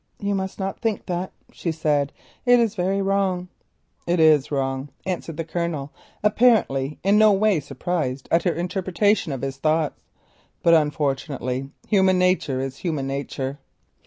"You must not think that," she said, "it is very wrong." "It is wrong," answered the Colonel, apparently in no way surprised at her interpretation of his thoughts, "but unfortunately human nature is human nature."